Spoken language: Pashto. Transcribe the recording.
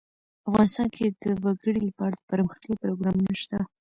افغانستان کې د وګړي لپاره دپرمختیا پروګرامونه شته.